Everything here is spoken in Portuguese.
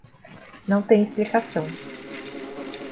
Não tem explicação.